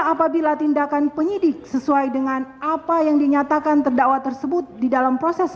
apabila tindakan penyidik sesuai dengan apa yang dinyatakan terdakwa tersebut di dalam proses